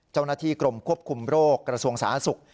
เจ้าหน้าที่กรมควบคุมโรคกระทรวงสาธารณสุข